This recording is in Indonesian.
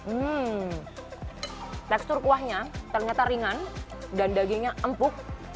hmm tekstur kuahnya ternyata ringan dan dagingnya empuk